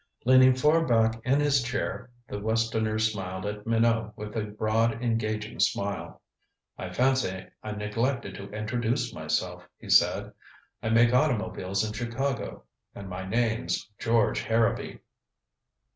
Leaning far back in his chair, the westerner smiled at Minot with a broad engaging smile. "I fancy I neglected to introduce myself," he said. "I make automobiles in Chicago and my name's George Harrowby."